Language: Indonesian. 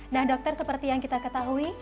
nah dokter seperti yang kita ketahui